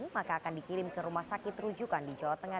maka akan dikirim ke rumah sakit rujukan di jawa tengah